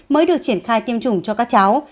mới được triển khai tiêm chủng cho các cháu